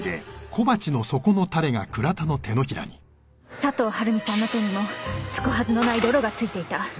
佐藤晴美さんの手にもつくはずのない泥がついていた。